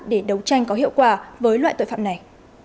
để đấu tranh có hiệu quả với loại tội phạm này